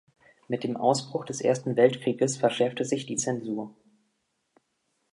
Mit dem Ausbruch des Ersten Weltkrieges verschärfte sich die Zensur.